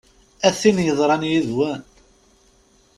A tin yeḍran yid-wen!